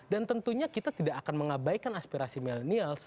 dan tentunya kita tidak akan mengabaikan aspirasi millennials